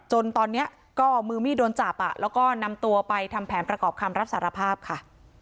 จนตอนนี้ก็มือมีดโดนจับแล้วก็นำตัวไปทำแผนประกอบคำรับสารภาพค่ะ